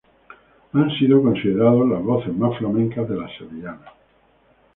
Han sido considerados las voces más flamencas de las sevillanas.